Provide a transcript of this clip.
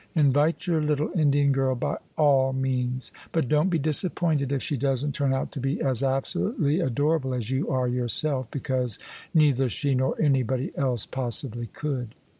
Invite your little Indian girl by all means: but don't be disappointed if she doesn't turn out to be as absolutely adorable as you are yourself: because neither she nor anybody else possibly could."